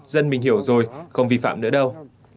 dân mình hiểu rồi không vi phạm nữa đâu